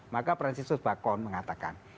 maka francisus bacon mengatakan